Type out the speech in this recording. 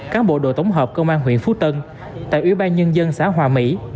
cán bộ đội tổng hợp công an huyện phú tân tại ủy ban nhân dân xã hòa mỹ